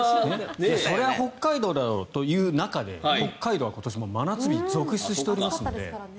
そりゃ北海道だろうという中で北海道は今年真夏日続出しておりますので。